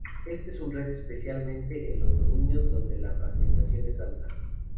Este es un reto especialmente en los dominios donde la fragmentación es alta.